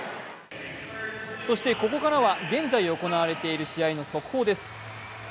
そして、ここからは現在行われている試合の速報です。